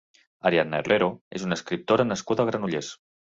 Ariadna Herrero és una escriptora nascuda a Granollers.